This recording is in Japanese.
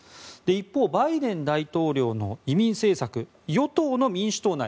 一方、バイデン大統領の移民政策与党の民主党内